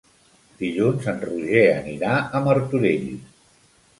Dilluns en Roger anirà a Martorell.